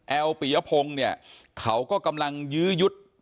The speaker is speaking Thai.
แอลปียะพงเนี่ยเขาก็กำลังยื้อยุทย์